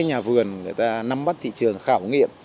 nhà vườn người ta nắm bắt thị trường khảo nghiệm